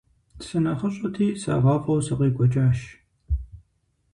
СынэхъыщӀэти сагъафӀэу сыкъекӀуэкӀащ.